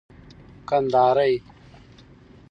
کندهارى